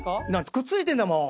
くっついてんだもん！